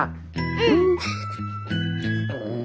うん！